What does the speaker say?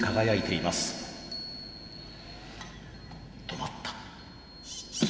止まった。